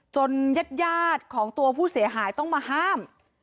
ญาติยาดของตัวผู้เสียหายต้องมาห้าม